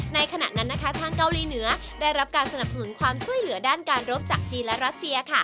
ในขณะนั้นทางเกาหลีเหนือได้รับการสนับสนุนความช่วยเหลือด้านการรบจากจีนและรัสเซีย